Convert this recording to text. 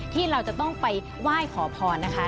ที่เราจะต้องไปไหว้ขอพรนะคะ